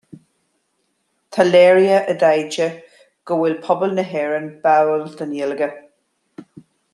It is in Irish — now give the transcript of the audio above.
Tá léirithe i dtaighde go bhfuil pobal na hÉireann báúil don Ghaeilge